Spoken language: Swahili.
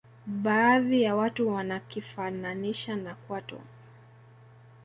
baadhi ya watu wanakifananisha na kwato